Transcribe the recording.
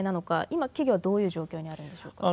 今企業はどういう状況にあるんでしょうか。